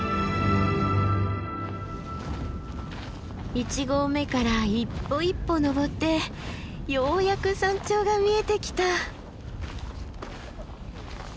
一合目から一歩一歩登ってようやく山頂が見えてきた。